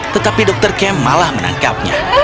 tetapi dr kemp malah menangkapnya